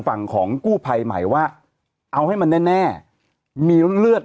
ตัวของผู้บาดเจ็บเนี่ย